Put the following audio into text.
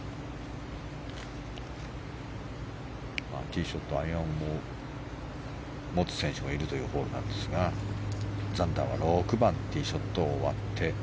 ティーショットアイアンを持つ選手がいるというホールなんですがザンダーは６番、ティーショットを終わって